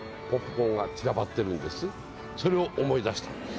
ですとそれを思い出したんです。